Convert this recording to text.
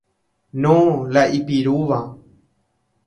No, la ipirúva.